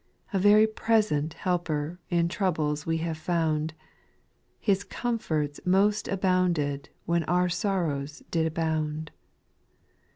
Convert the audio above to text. A very present helper in troubles we have found. His comforts most abounded when our sor rows did abound.